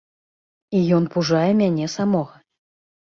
І ён пужае мяне самога.